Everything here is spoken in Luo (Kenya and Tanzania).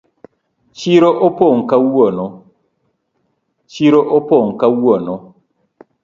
Chiro opong kawuono.